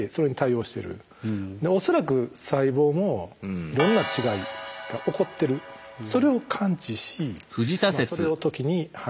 恐らく細胞もいろんな違いが起こってるそれを感知しそれを時に排除する。